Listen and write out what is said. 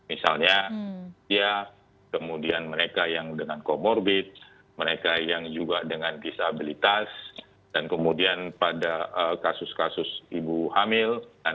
ini adalah hal yang harus kita lakukan